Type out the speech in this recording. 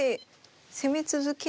攻め続ける。